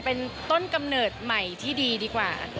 เป็นต้นกำเนิดใหม่ที่ดีดีกว่า